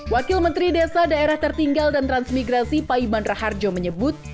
wakil menteri desa daerah tertinggal dan transmigrasi paiman raharjo menyebut